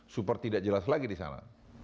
supaya tidak jelas lagi di sana